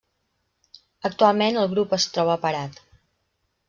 Actualment el grup es troba parat.